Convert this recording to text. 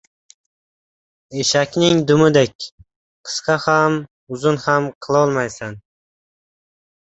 • Eshakning dumidek: qisqa ham, uzun ham qilolmaysan.